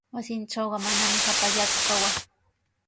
Wasiitrawqa manami hapallaaku kawaa.